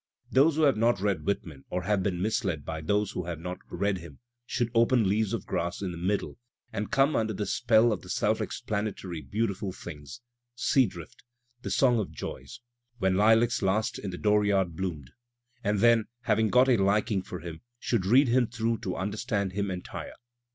Those who have not read Whitman or have been misled by those who have not read him, should open "Leaves of Grass" in the middle, and come under the spell of the self explanatory beautiful things, "Sea Drift," '^The Song of Joys," "When LUacs Last in the Dooryard Bloomed," ^d then, having got a liking for him, should read him through to understand him entire.